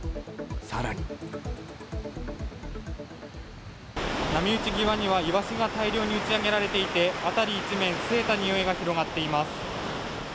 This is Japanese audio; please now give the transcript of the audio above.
更に波打ち際にはイワシが大量に打ち上がっていて辺り一面、すえたにおいが広がっています。